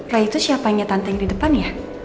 roy itu siapanya tante yang di depan ya